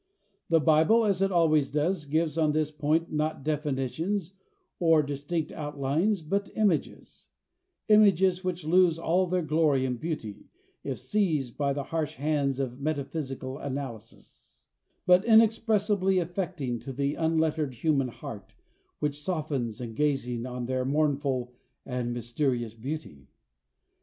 The Bible, as it always does, gives on this point not definitions or distinct outlines, but images images which lose all their glory and beauty if seized by the harsh hands of metaphysical analysis, but inexpressibly affecting to the unlettered human heart, which softens in gazing on their mournful and mysterious beauty.